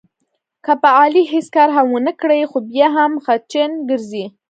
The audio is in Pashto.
که په علي هېڅ کار هم ونه کړې، خو بیا هم خچن ګرځي.